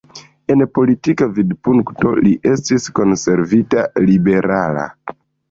En politika vidpunkto li estis konservativa-liberala.